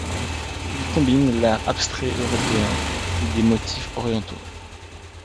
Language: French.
Ils combinent l'art abstrait européen et des motifs orientaux.